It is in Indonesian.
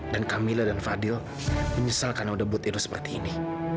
dan kamila dan fadil menyesal karena udah buat edo seperti ini